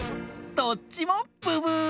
どっちもブブー！